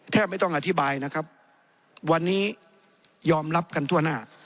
ไม่ต้องอธิบายนะครับวันนี้ยอมรับกันทั่วหน้า